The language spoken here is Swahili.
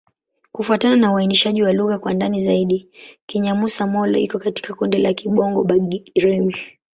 Kufuatana na uainishaji wa lugha kwa ndani zaidi, Kinyamusa-Molo iko katika kundi la Kibongo-Bagirmi.